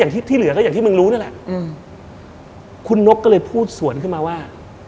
ที่ที่เหลือก็อย่างที่มึงรู้นั่นแหละอืมคุณนกก็เลยพูดสวนขึ้นมาว่า